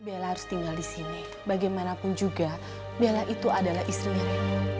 bella harus tinggal di sini bagaimanapun juga bella itu adalah istrinya